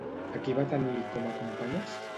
A qui va tenir com a companyes?